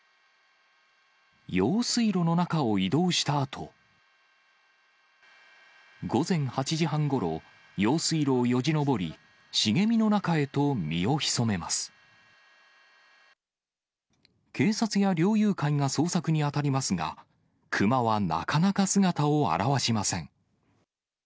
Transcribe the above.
用水路の中を移動したあと、午前８時半ごろ、用水路をよじ登警察や猟友会が捜索に当たりますが、クマはなかなか姿を現しません。